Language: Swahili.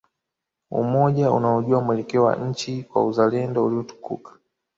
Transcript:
Umoja unaojua mwelekeo wa nchi kwa uzalendo uliotukuka